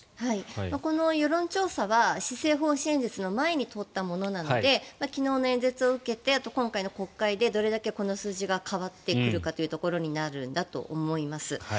この世論調査は施政方針演説の前に取ったものなので昨日の演説を受けてあと今回の国会でどれだけこの数字が変わってくるかというところになるんだと思います。